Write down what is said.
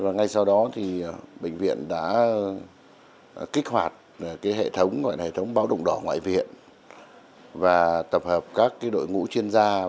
ngay sau đó bệnh viện đã kích hoạt hệ thống báo động đỏ ngoại viện và tập hợp các đội ngũ chuyên gia